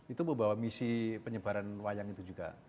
itu membawa misi penyebaran wayang itu juga